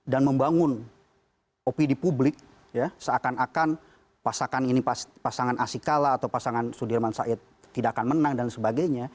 dan membangun opi di publik seakan akan pasangan ini pasangan asikala atau pasangan sudirman said tidak akan menang dan sebagainya